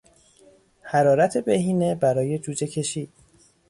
حرارت بهینه برای جوجهکشی